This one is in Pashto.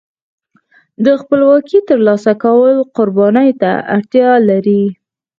د خپلواکۍ ترلاسه کول قربانۍ ته اړتیا لري.